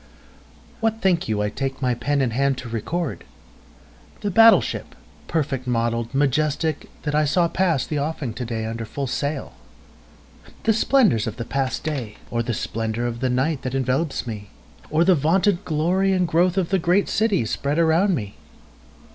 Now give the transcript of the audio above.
WHAT think you I take my pen in hand to record? The battle ship, perfect model'd, majestic, that I saw pass the offing to day under full sail? The splendors of the past day? Or the splendor of the night that envelopes me? Or the vaunted glory and growth of the great city spread around me?